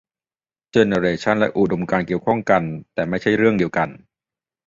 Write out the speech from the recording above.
เจเนเรชันและอุดมการณ์เกี่ยวข้องกันแต่ไม่ใช่เรื่องเดียวกัน